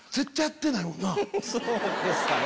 そうですかね。